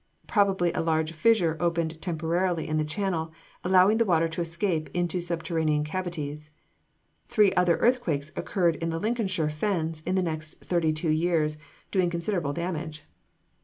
Probably a large fissure opened temporarily in the channel, allowing the water to escape into subterranean cavities. Three other earthquakes occurred in the Lincolnshire fens in the next thirty two years, doing considerable damage.